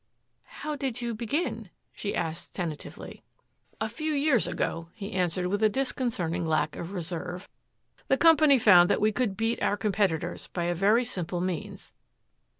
"How did you begin?" she asked tentatively. "A few years ago," he answered with a disconcerting lack of reserve, "the company found that we could beat our competitors by a very simple means.